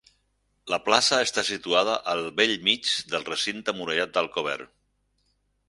La plaça està situada al bell mig del recinte murallat d'Alcover.